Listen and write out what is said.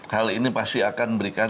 hal ini pasti akan memberikan